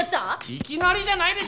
いきなりじゃないでしょ！